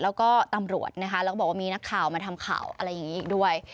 แล้วก็ตำรวจนะคะแล้วก็บอกว่ามีนักข่าวมาทำข่าวอะไรอย่างนี้อีกด้วย